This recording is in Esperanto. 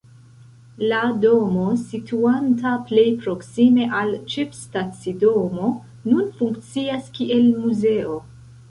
La domo, situanta plej proksime al ĉefstacidomo, nun funkcias kiel muzeo.